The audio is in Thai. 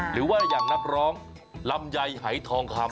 หรือว่าอย่างนักร้องลำไยหายทองคำ